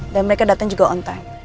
dan mereka datang juga on time